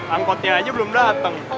angkotnya aja belum dateng